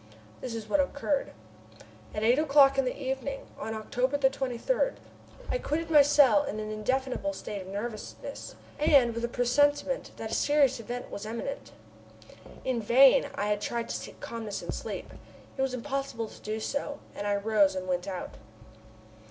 This is what occurred: At eight o'clock in the evening on October 23, I quitted my cell in an indefinable state of nervousness, and with a presentiment that a serious event was imminent. In vain I had tried to seek calmness in sleep. It was impossible to do so, and I rose and went out.